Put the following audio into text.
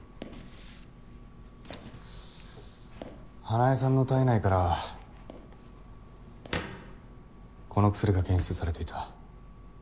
花恵さんの体内からこの薬が検出されていた。